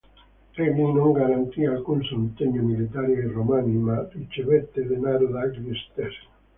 Egli non garantì alcun sostegno militare ai Romani, ma ricevette denaro dagli stessi.